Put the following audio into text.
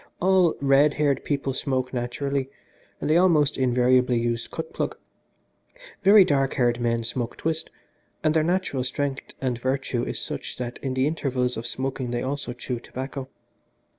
All red haired people smoke naturally, and they almost invariably use cut plug. Very dark haired men smoke twist, and their natural strength and virtue is such that in the intervals of smoking they also chew tobacco.